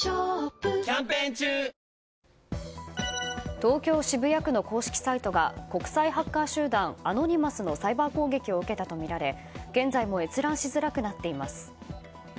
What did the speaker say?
東京・渋谷区の公式サイトが国際ハッカー集団アノニマスのサイバー攻撃を受けたとみられ現在も閲覧しづらくなっています。